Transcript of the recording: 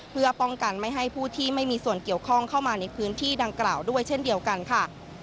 เพื่อป้องกันไม่ให้ผู้ที่ไม่มีส่วนเกี่ยวข้องเข้ามาในพื้นที่ดังกล่าวด้วยเช่นเดียวกันค่ะ